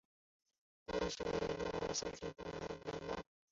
当时的伊拉克童军倡议委员会领导。